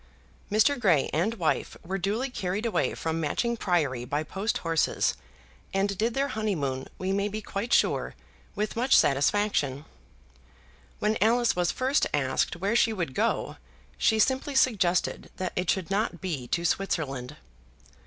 Mr. Grey and wife were duly carried away from Matching Priory by post horses, and did their honeymoon, we may be quite sure, with much satisfaction. When Alice was first asked where she would go, she simply suggested that it should not be to Switzerland.